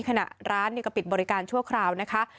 ขณะร้านก็ปิดบริการชั่วคราวนะคะ